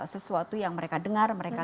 sesuatu yang mereka dengar mereka